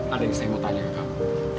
ada yang saya mau tanya ke kamu